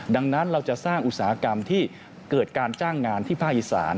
ดังนั้นเราจะสร้างอุตสาหกรรมที่เกิดการจ้างงานที่ภาคอีสาน